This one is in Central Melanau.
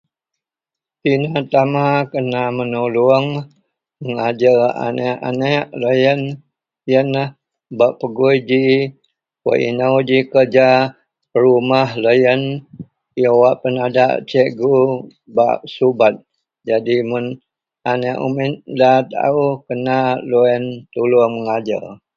Tinatama kena menuluong mengajer aneak-aneak loyen yenlah bak pegui ji wak inou ji kerja rumah loyen awak penadak Cikgu bak subet, jadi mun aneak umit nda taao kena duayen tuluong mengajer.